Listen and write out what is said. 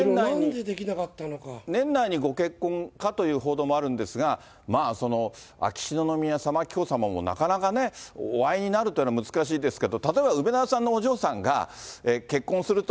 年内にご結婚かという報道もあるんですが、まあ秋篠宮さま、紀子さまもなかなかね、お会いになるというのも難しいですけど、例えば梅沢さんのお嬢さんが結婚すると。